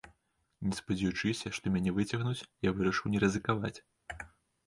Не спадзяючыся, што мяне выцягнуць, я вырашыў не рызыкаваць.